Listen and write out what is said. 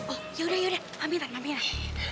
oh yaudah yaudah pamit lah pamit lah